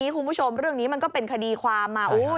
คุณผู้ชมเรื่องนี้มันก็เป็นคดีความมา